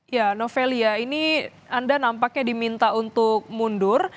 ya novelia ini anda nampaknya diminta untuk mundur